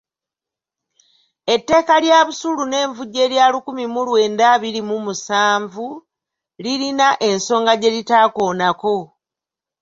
Etteeka lya busuulu n’envujjo erya lukumi mu lwenda abiri mu musanvu lirina ensonga gye litaakoonako.